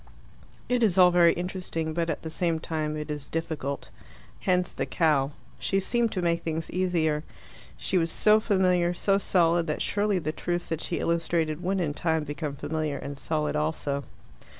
It is all very interesting, but at the same time it is difficult. Hence the cow. She seemed to make things easier. She was so familiar, so solid, that surely the truths that she illustrated would in time become familiar and solid also.